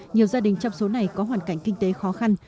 nhiều gia đình trong số này có hoàn cảnh kinh tế khó khăn